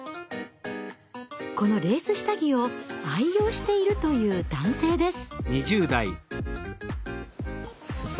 このレース下着を愛用しているという男性です。